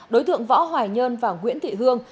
đối thượng võ hòa nhơn và nguyễn thị hương